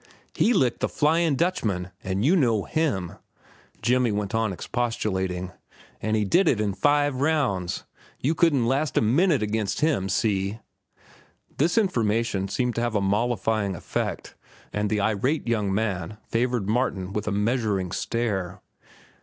"He licked the Flyin' Dutchman, an' you know him," Jimmy went on expostulating. "An' he did it in five rounds. You couldn't last a minute against him. See?" This information seemed to have a mollifying effect, and the irate young man favored Martin with a measuring stare.